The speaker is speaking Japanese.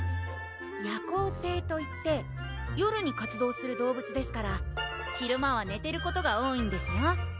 夜行性といって夜に活動する動物ですから昼間はねてることが多いんですよ